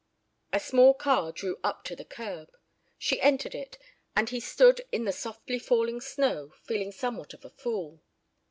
A small car drew up to the curb. She entered it, and he stood in the softly falling snow feeling somewhat of a fool.